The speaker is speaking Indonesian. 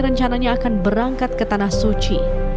rencananya akan berangkat ke tanah suci